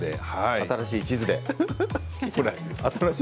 新しい地図で。